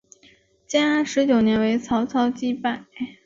建安十九年为曹操击败。